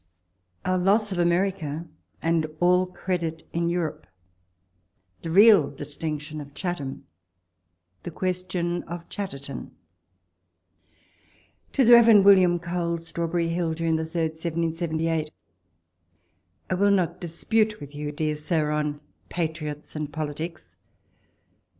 OUR LOSS OF AMERICA AXD ALL CREDIT IN EUROPE—THE REAL DISTINCTION OF CHATHAM— THE QUESTION OF CHATTER TON. To THE Rev. William Cole. Straxcbcrry Hill, June 3, 1778. I WILL not dispute with you, dear Sir, on patriots and politics.